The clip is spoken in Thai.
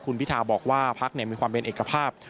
คุณพิทาบอกว่าพักมีความเป็นเอกภาพ